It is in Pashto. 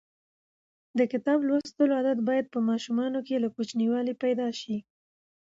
د کتاب لوستلو عادت باید په ماشومانو کې له کوچنیوالي پیدا شي.